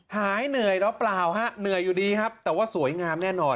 หายเหนื่อยหรือเปล่าฮะเหนื่อยอยู่ดีครับแต่ว่าสวยงามแน่นอน